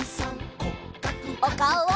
おかおを！